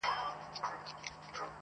د دربار له دروېشانو سره څه دي؟!.